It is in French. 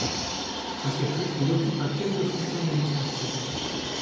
À ce titre, il occupa quelques fonctions administratives.